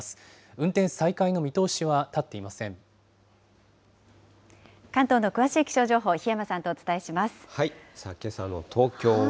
運転再開の見通しは立っていませ関東の詳しい気象情報、檜山けさの東京は。